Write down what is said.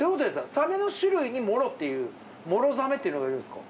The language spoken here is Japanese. サメの種類にモロっていうモロザメっていうのがいるんですか？